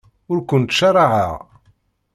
Ur kent-ttcaṛaɛeɣ.